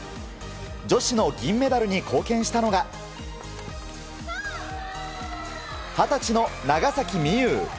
女子の銀メダルに貢献したのが二十歳の長崎美柚。